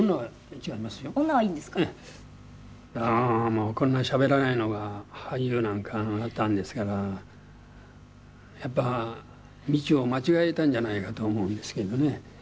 まあこんなにしゃべらないのが恥じるなんかあったんですからやっぱり道を間違えたんじゃないかと思うんですけどね。